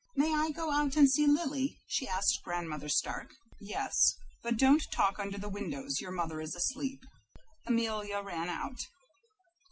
"May I go out and see Lily?" she asked Grandmother Stark. "Yes, but don't talk under the windows; your mother is asleep." Amelia ran out.